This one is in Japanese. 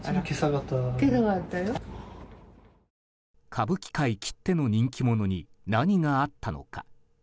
歌舞伎界きっての人気者に何があったのか。